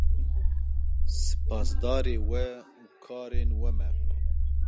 Spasdarê we û karên we me.